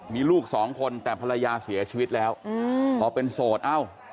มีลูกสองคนแต่ภรรยาเสียชีวิตแล้วพอเป็นโสดเอ้า